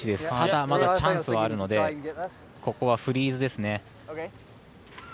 ただ、まだチャンスはあるのでここはフリーズです。